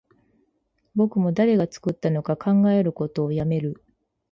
僕も誰が作ったのか考えることをやめる